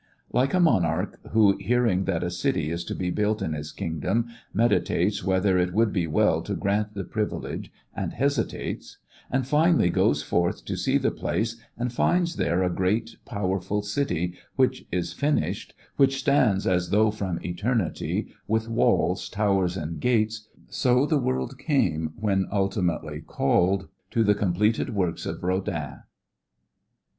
Like a monarch who, hearing that a city is to be built in his kingdom, meditates whether it would be well to grant the privilege, and hesitates; and finally goes forth to see the place and finds there a great powerful city which is finished, which stands as though from eternity with walls, towers and gates, so the world came when ultimately called to the completed work of Rodin.